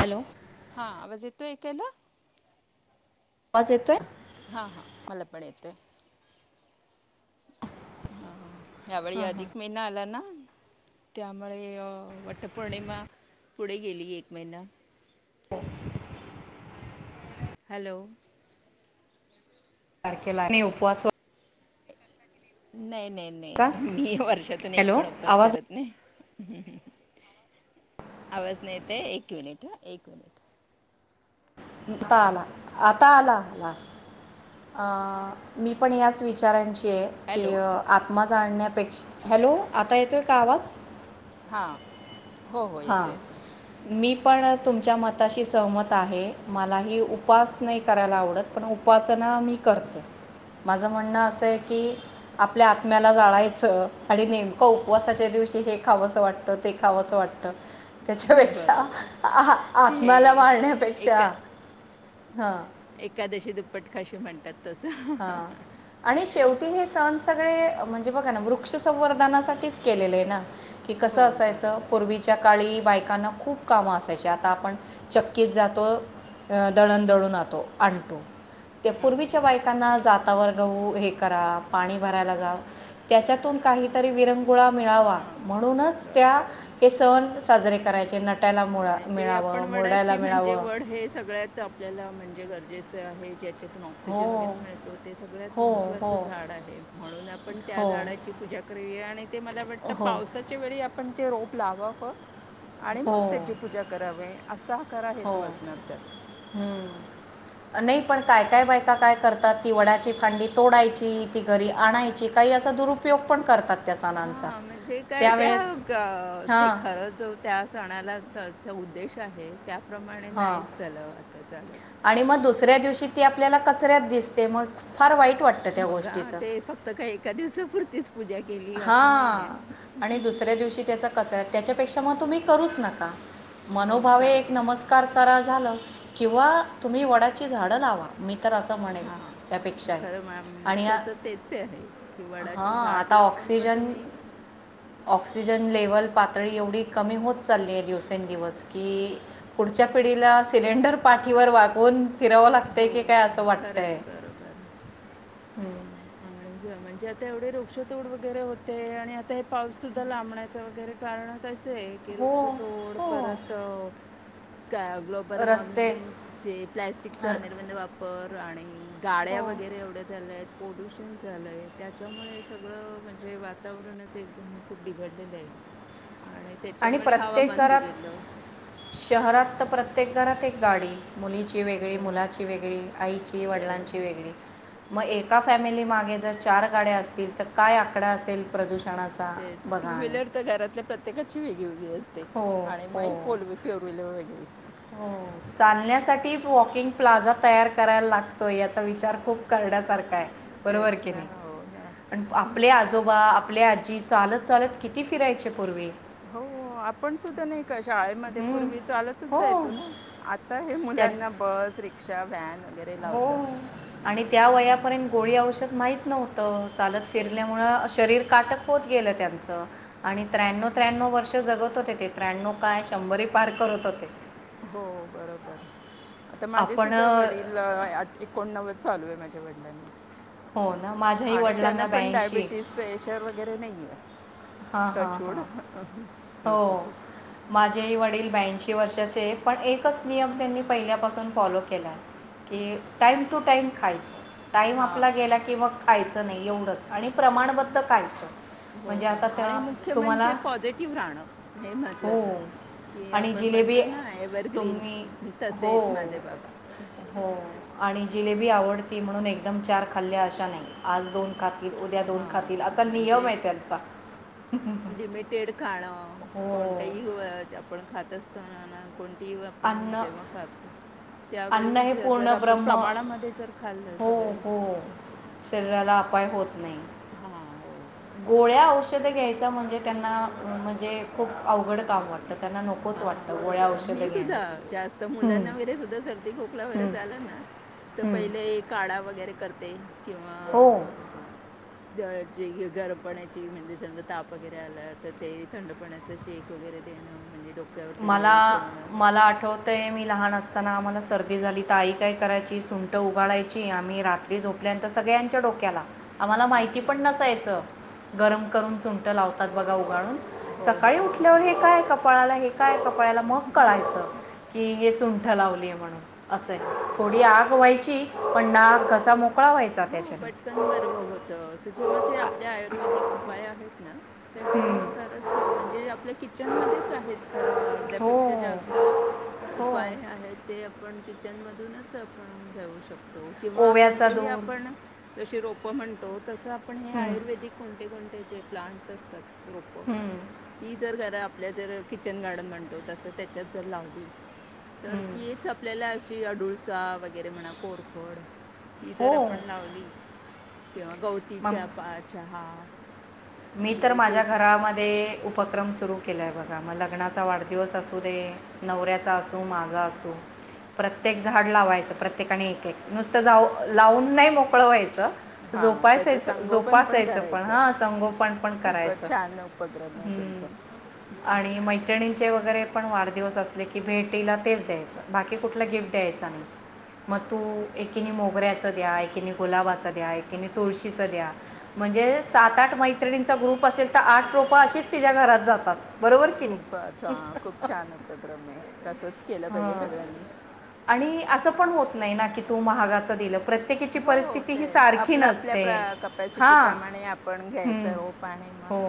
Hello हा आवाज येतोय ऐकायला आवाज येतोय हा हा मला पण येतय हा यावेळी हां हां अधिक महिना आला ना त्यामुळे होय वट पौर्णिमा - पुढे गेली एक महिना. हो [unintelligible] हॅलो बारके ला नाही उपवास व - नाही नाही -नाही व्हायचा मी वर्षातून एक हॅलो पण उपास आवाज करत नाही. हम्म आवाज नाय येत एक मिनिट- एक मिनिट आता आला आता आला -आला मी पण याच विचारांची! की हॅलो आत्मा जाणण्यापेक्षा हॅलो - आता येतोय का आवाज! हा हां मी पण तुमच्या मताशी सहमत आहे मलाही उपवास नाही करायला आवडत पण उपासना मी करते माझं म्हणणं असं आहे की आपल्या आत्म्याला जाळायचं आणि नेमकं उपवासाच्या दिवशी हे खावंसं वाटतं ते खावंसं वाटतं! तर त्याच्यापेक्षा बरोबर ते आत्म्याला मारण्यापेक्षा एका हा - एकादशी दुप्पट खाशी म्हणतात तसं हा आणि शेवटी हे सण सगळे म्हणजे. म्हणजे बघा ना वृक्ष संंवर्धनासाठीच केलेले आहे ना. कि हो कसं असायचं बरोबर आहे पूर्वीच्या काळी बायकांना खूप काम असत. त्या आता आपण चक्कीत जातो दळण दळून आतो आणतो. त्या हां पूर्वीच्या बाई जाता वर्ग हुं हे करा पाणी भरायला जावा त्याच्यातून काहीतरी वि. विरंगुळा मिळावा हां म्हणूनच त्या बरोबर आहे हे सण साजरे के! करायचे नाही. आणि ते आपण वडाची म्हणजे वड हे सगळ्यात आपल्याला म्हणे! गरजेचे आहे. त्यातून हो ऑक्सिजन वगैरे मिळतो ते सगळ्यात हो हो महत्त्वाचं झाड आहे म्हणून आपण त्या हो झाडाची पूजा करूया आणि ते मला वाटत हो पावसाच्या वेळी आपण ते रोप! प्लावावर आणि हो मग त्याची पूजा करावे असा. खरा हो हेतू असणार त्यात हम्म नाही पण काय काय बायका काय करतात ती वडाची फांडी तोडायची ती घरी आणायची काही असा दुरुपयोग पण करतात. त्या सणांचा हा म्हणजे काय त्यावेळेस त्या ते हां खरं जो त्या सणाला! चचा उद्देश आहे त्याप्रमाणे हां नाहीच झालं आता चालत. आणि मग दुसऱ्या दिवशी ती आपला कचऱ्यात दिसते ते मग फार वाईट वाटतं त्या मग हा, गोष्टीचं ते फक्त काही एका दिवसापुरतीच पूजा केली हा असं नाही आहे आणि दुसऱ्या दिवशी त्याचा कचरा त्याच्या पेक्षा मग तुम्ही करूच नका हो मनोभावे खरं एक आहे नमस्कार करा झालं किंवा तुम्ही वडाची झाडं लावा तर असं म्हणेन हा त्यापेक्षाही खर [inaudible] आणि मुख्यत तेच आहे की वडाच हां झाड आता लावून मग ऑक्सिजन तुम्ही ऑक्सिजन लेवल पातळी एवढी कमी होत चालली आहे दिवसेंदिवस की पुढच्या पिढीला सिलेंडर पाठीवर वागवून हो खरं आहे बरोबर हम् [inaudible] म्हणजे आता एवढे वृक्षतोड वगैरे होते आणि आता हे पाऊस सुद्धा लांबण्याच वगैरे कारण आता [inaudible] की हो वृक्ष तोड हो परत का ग्लोबल रस्ते वॉर्मिंग जे प्लॅस्टिकचा र- निर्बंध वापर प्राणी गाड्या हो वगैरे एवढ्या झाल्यात पोल्युशन झालं आहे त्याच्यामुळे सगळं म्हणजे वातावरणच एकदम खूप बिघडलेलं आहे आणि त्याच्यामुळे प्रत्येक हवामान घरात बिघडलं शहरात तर [inaudible] प्रत्येक घरात एक गाडी मुलीची वेगळी हो मुलाची वेगळी आईची खरं आहे वडिलांची वेगळी मग एका फॅमिली मागे जर चार गाड्या असतील तर काय आकडा असेल प्रदूषण येस टू व्हीलर तर घरातल्या प्रत्येकाची वेगळीवेगळी हो [inaudible] आणि हो [inaudible] [inaudible] [inaudible] हो चालण्यासाठी वॉकिंग प्लाझा तयार करायला लागतो याचा विचार खूप करण्यासारखा आहे बरोबर तेच की ना नाही हो ना पण आपले आजोबा आपल्या आजी चालत चालत किती फिरायचे पूर्वी हो आपण सुद्धा नाही शाळेमध्ये हं. पूर्वी चालतच हो जायचो ना आता हे त्या मुलांना बस रिक्षा [inaudible] हो लावतात आणि त्या वयापर्यंत गोळी औषध माहीत नव्हतं. चालत ते फिरल्यामुळं शरीर काटक होत गेलं त्यांचं आणि त्र्याण्व त्र्याण्णव वर्ष जगत होते ते त्र्याण्णव काय शंभर पार करत होते. हो बरोबर. आता माझे आपण सुद्धा अ, वडील एकोणनव्वद. चालू आहे माझ्या वडलां. हो ना माझ्याही आणि त्यान वडिलांना पण ब्याऐंशी डायबिटीस प्रेशर वगैरे नाहीये हा हा ह हो असू दे माझेही वडील ब्यांशी वर्षा. पण एकच नियम त्यांनी पहिल्यापासून फॉलो केला की टाईम टू टाईम खायचा. टाइम आपला हां गेला किंवा खायचं नाही एवढंच. आणि प्रमाणपत्र. च हो म्हणजे आता. आणि त्या मुख्य तुम्हाला म्हणजे पॉझिटिव्ह राहणं हे हो. महत्त्वाचं की आणि आपण जिलेबी म्हणतो ना एव्हरग्रीन तुम्ही तसे हो, आहेत माझे बाबा. हो. आणि जिलेबी आवडती म्हणून एकदम चार खाल्ल्या अशा नाही आज दोन खात. उद्या दोन खातील हां असा नियम म्हणजे आहे त्यांचा. लिमिटेड खाणं हो. कोणतही आपण खात. असत ना. कोणती आपण अन्न जेव्हा खात अन्न त्यावेळी हे जर पूर्ण आपण ब्रह्म प्रमाणामध्ये जर खाल्लं हो सगळे. उपाय होत नाही. हा हो. गोळ्याष. औषधं घ्यायचं म्हणजे त्यांना म्हणजे खूप अवघड कामवरतं. हा मी सुद्धा घ्यायला जास्त मुलांना वगैरे सुद्धा सर्दी खोकला वगैरे झाला ना तर पहिले काळाा वगैर. वगैरे करते. किंवा. हो गरम पाण्याची म्हणजे समजा ताप वगैरे आला तर ते थंड पाण्याच शेक वगैरे देणं म्हणजे डक्. मला मला आठवतय मी लहान अस असताना आम्हाला सर्दी झाली तर आई काय करायची सुंट उगाळाायची आम्ही रात्री झोपल्यानंतर सगळ्यांच्या डोक्याला. आम्हाला माहिती अच्छा पण नसायचं. गरम करून सुंट लावतात बघा. हो सकाळी हो हो उठल्यावर हो हे काय कपाळाला हे. काय कपड्याला मग कयच की धलावली आहे म्हणून. असं आहे अच्छा थोडी आग व्हायची पण ना कसा मोक हो पटकन बरब होत अस जेव ते आपल्या आयुर्वेदिक उपाय आहेत ना हम्म. त्याच्याने खरंच म्हणजे आपल्या किचनमध्येच आहेत खरा हो अर्ध्यापेक्षा जास्त हो उपाय आहे ते आपण किचनमधूनच आपण घेऊ शकतो तो किंवा ओव्याचा कोणतेही दूर आपण जशी रोपं म्हणतो तसं आपण हे हम्म, आयुर्वेदिक कोणते कोणते जे प्लांट्स असतात रोप हम्म, ती जर घर आपल्या जर किचन गार्डन म्हणतो तसं त्याच्यात जर लावली तर हम्म. तीच आपल्याला अडुळसा वगैरे म्हणा कोरफड ती हो जर पण लावली किंवा गवतीच्या मग पा चहा मी तर वगैरे माझ्या तेच घरामध्ये उपक्रम सुरू केलंय बघा मग लग्नाचा वाढदिवस असू दे नवऱ्याचा असू माझा असू प्रत्येक झाड लावायचं प्रत्येकाने एक एक नुसतं जाऊ लावून नाही मोकळवायचं [unintelligible] हां त्याचं संगोपन पण करायचं पण खूप करायचा छान उपक्रम आहे तुमचा पण वाढदिवस अस की भेटीला तेच द्यायच बाकी कुठला गिफ्ट द्यायचा नाही मग तू एकी मोगऱ्याच द्या एकि गुलाबाच द्या एक तुळशीच द्या म्हणजे सात आठ मै मैत्रिणींचा ग्रुप असेल तर आठ रोप अशीच तिच्या घरात जातात बरोबर की नाही खूप खूप छान उपक्रम आहे तसंच केलं पाहिजे सगळ्यांनी ण होत नाही तू महागा दि प्रत्येकीची हो परिस्थिती ही तेच सारखी आपलं आपल्या नसते प्रा हां कपॅसिटीप्रमाणे आपण घ्यायचं रोप आणि हो मग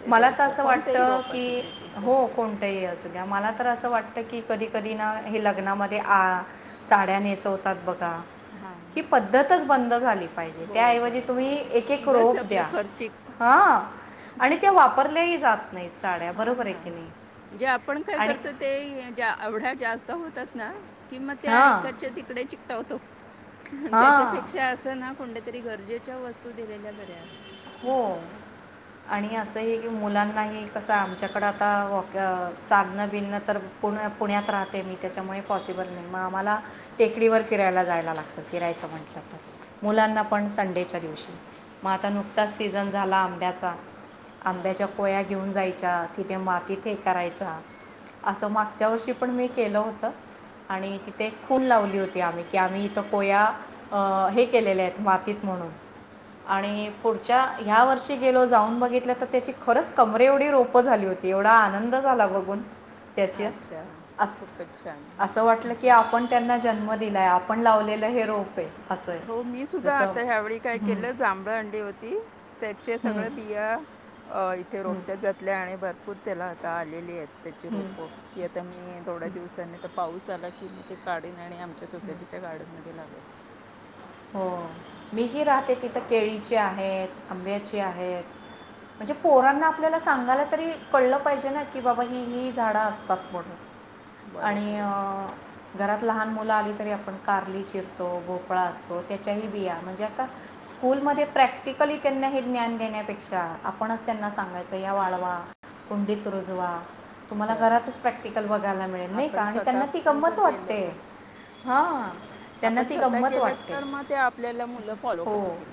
ते मला तर द्यायचं असं कोणतंही वाटतं रोप असू की दे ते पण हो कोणतंही असू द्या मला तर असं वाटतं तर की कधी कधी ना हे लग्नामध्ये आ साड्या नेसवतात बघा हां ही पद्धतच बंद झाली पाहिजे हो त्याऐवजी बरोबर तुम्ही एक आहे एक उगाच रोप आपलं द्या खर्चिक ह आणि ते वापरल्याही जात नाही साड्या हा बरोबर आहे की म्हणजे आपण काय आणि करतो ते एवढ्या जास्त होतात ना किंवा त्या हां एकाच्या तिकडे ठेवतो. हां त्याच्यापेक्षा असं ना कोणत्या तरी गरजेच्या वस्तू दिलेल्या बऱ्या. हो आणि अस. असं हे की मुलांनाही कसं आमच्याकडं आता वॉक चालणं बिनणं तर पुण्या पुण्यात राहते मी त्याच्यामुळे पॉसिबल नाही मग आम्हाला टेकडीवर फिरायला जायला लागतं फिरायचं म्हटलं तर मुलांना पण संडेच्या दिवशी मग आता नुकत आत्ताच सीझन झाला आंब्याचा. आंब्याच्या पोया्या घेऊन जायच्या तिथे मातीत हे करायचं असं मागच्या वर्षी पण मी केलं होतं. आणि तिथे खून लावली होती, आम्ही की आम्ही इथं कोया हे केलेल्याहेत मातीत म्हणून आणि पुढच्या ह्या वर्षी गेलो जाऊन बघितल्या तर त्याची खरंच कमरे एवढी रोप झाली होती एवढा आनंद झाला बघून. त्याची अच्छा अस खूपच छान असं वाटलं की आपण त्यांना जन्म दिला आहे आप आपण लावलेलं हे रोप आहे. असं हो मी आहे सुद्धा जसं आता ह्यावेळी काय हं, केलं जांभळ आणली होती. ती त्याचे हं, सगळे बिया इथे हं, रोपट्यात घातल्या आणि भरपूर त्याला आता त्याची हं, रोप की आता मी थोड्या दिवसांनी आता पाऊस चला किं मी ते काढेन. आणि आमच्या हं. सोसायटीच्या गार्डन मध्ये लावेन. हो मीही राहते तिथं केळीचे आहेत आंब्याची आहेत म्हणजे पोरांना आपल्याला सांगायला तरी कळलं पाहिजे ना की बाबा ह ही झाडं असतात म्हणून. आणि बरोबर आहे अं घरात लहान मुलं आली तरी आपण कारली चिरतो भोपळा असतो. त्याच्याही बिया म्हणजे आता स्कूलमध्ये प्रॅक्टिकली त्यांना हे ज्ञान घेण्यापेक्षा आपणच त्यांना सांगायचं या वाळवा, कुंडीत रुजवा. तुम्हाला घरातच खरंच प्रॅक्टिकल बघायला मिळेल नाही का आपण आणि स्वतः त्यांना ती पण गंमत जर वाटते केलं हा त्यांना आपण ती स्वतः गंमत केलं वाटते. तर मग ते आपल्याला मुलं फॉलो हो करतील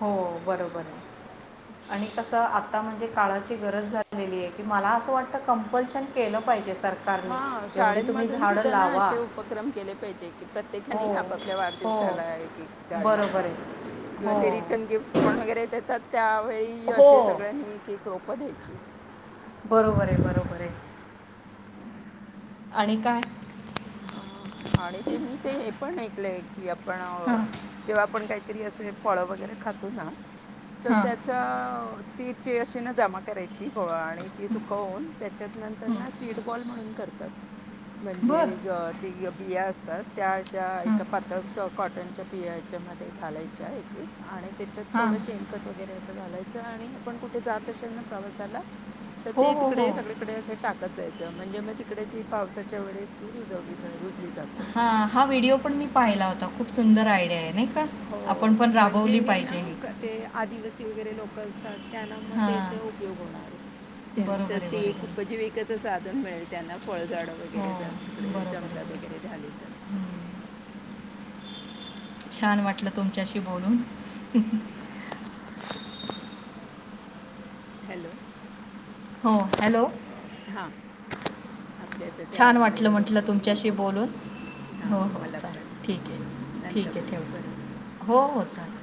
हो बराबरे आणि कस आप आता म्हणजे काळाची गरज झालेली आहे की मला अस वाटत कंपल्शन केलं पाहिजे. सरकारने हा एवढी तुम्ही शाळमधून झाडं सुद्धा ना लावा असे उपक्रम केले पाहिजे कि हो प्रत्येकानी आपापल्या हो वाढदिवसाला ला एक एक झाड बरोबर लावा. आहे किंवा हो ते रिटन गिप्ट देता त्यावेळी की हो असे सगळ्यांनी एक एक रोप द्यायची. बरोबर आहे बरोबर आहे. [unintelligible] आणि काय? हा आणि ते मी ते हे पण ऐकलंय. की आपण हां जेव्हा आपण काहीतरी असे फळं वगैरे खातो ना. तर हां त्याचा. तिचे अशी ना जमा करायची. आणि ती सुकवून त्याच्यातनंतरना सीड बॉल म्हणून करतात. म्हणजे बरं ति बिया असतात. त्या अशा हां एक पातळ कॉट त्यांच्या बियांच्या मध्ये घालायच्या एक एक आणि त्याच्यात हां थोडं शेणखत वगैरे असं घालायचं आणि आपण कुठे जात असेल ना प्रवासाला तर हो ते हो हो तिकडे सगळीकडे असे टाकत जायच म्हणजे मग तिकडे ती पावसाच्या वेळेस. ती रुजवलीच आहे. हा हा व्हिडिओ पण मी पाहिला होता खूप सुंदर आयडिया आहे नाही का हो आपण पण म्हणजे राबवली पाहिजे हे. कसं. त्यांना मग त्याचा उपयोग होणार त्यांच्या बरोबर आहे ते एक बरोबर आहे उपजीविकेचं साधन मिळेल. त्यांना फळझाडं हो वगैरेचं तिकडे बरोबर आहे जंगलात बरोबर वगैरे झाले तर. हं. छान वाटलं तुमच्याशी बोलून. हॅलो हो हॅलो हां आपल्या इथं त्या छान वाटलं वेळ होत म्हंटलं आली आहे. तुमच्याशी हो बोलून हो हां हो मला पण चालेल ठीक आहे नंतर ठीक आहे बोलू परत ठेवते हो हो चालेल.